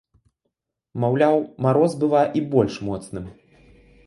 Маўляў, мароз бывае і больш моцным.